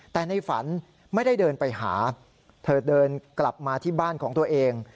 แต่ในฝันไม่ได้เดินไปหาเธอเดินกลับมาที่บ้านของตัวเอง